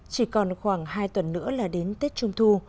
chỉ còn khoảng hai tuần nữa là đến tết trung thu